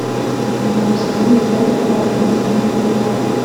umuhanuzi Daniyeli yahanuye ko mu minsi y’imperuka